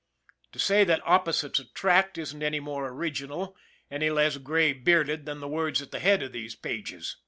To say that " opposites attract " isn't any more original, any less gray bearded, than the words at the head of these pages.